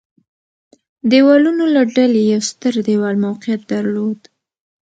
دېوالونو له ډلې یو ستر دېوال موقعیت درلود.